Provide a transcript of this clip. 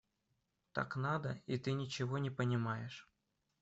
Так надо, и ты ничего не понимаешь.